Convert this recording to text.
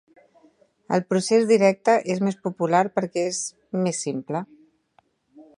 El procés directe és més popular perquè és més simple.